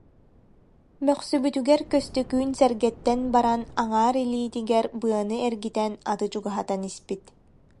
Мөхсүбүтүгэр, Көстөкүүн сэргэттэн баран аҥаар илиитигэр быаны эргитэн аты чугаһатан испит